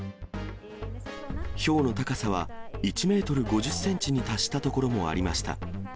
ひょうの高さは１メートル５０センチに達した所もありました。